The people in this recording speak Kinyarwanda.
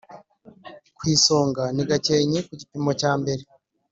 ku isonga ni Gakenke ku gipimo cya mbere